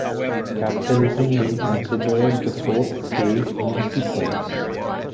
Capitalism may be considered the Fourth Stage in the sequence.